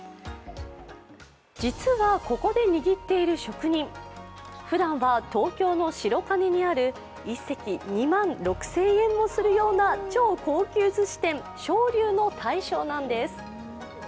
実は、ここで握っている職人、ふだんは東京の白金にある１席２万６０００円もするような超高級鮨店龍尚の大将なんです。